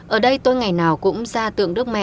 ở đây tôi ngày nào cũng ra tượng đức mẹ